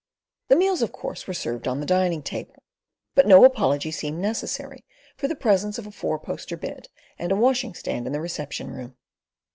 The meals, of course, were served on the dining table; but no apology seemed necessary for the presence of a four poster bed and a washing stand in the reception room.